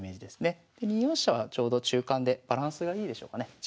で２四飛車はちょうど中間でバランスがいいでしょうかね。